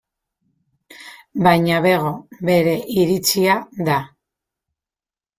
Baina bego, bere iritzia da.